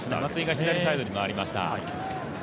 松井が左サイドに回りました。